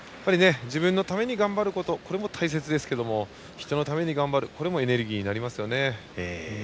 自分のために頑張ることこれも大切ですけれども人のために頑張るのもエネルギーになりますね。